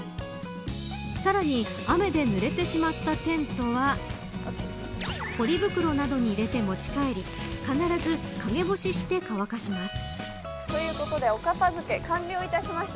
さらに雨でぬれてしまったテントはポリ袋などに入れて持ち帰り必ず陰干しして乾かします。